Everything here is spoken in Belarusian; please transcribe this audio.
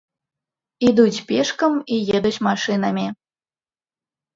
Ідуць пешкам і едуць машынамі.